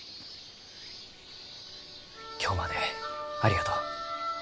今日までありがとう。